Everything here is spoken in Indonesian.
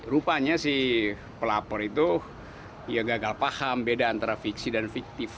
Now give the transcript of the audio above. rupanya si pelapor itu ya gagal paham beda antara fiksi dan fiktif